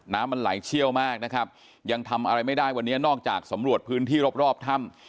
น้ำมันไหลเชี่ยวมากนะครับยังทำอะไรไม่ได้วันนี้นอกจากสำรวจพื้นที่รอบรอบถ้ำ